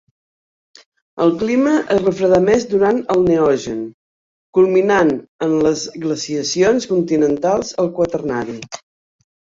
El clima es refredà més durant el Neogen, culminant en les glaciacions continentals al Quaternari.